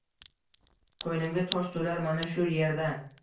Qo’ynimga tosh to’lar mana shu yerda.